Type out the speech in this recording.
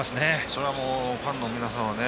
それはファンの皆さん